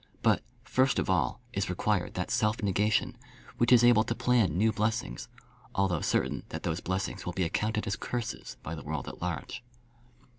But, first of all, is required that self negation which is able to plan new blessings, although certain that those blessings will be accounted as curses by the world at large.